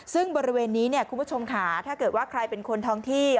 ซึ่งบริเวณนี้คุณผู้ชมค่ะถ้าเกิดว่าใครเป็นคนท้องที่